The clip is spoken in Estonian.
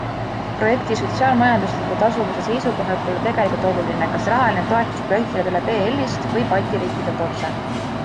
Projekti sotsiaalmajandusliku tasuvuse seisukohalt pole tegelikult oluline, kas rahaline toetus projektile tuleb EL-st või balti riikidelt otse.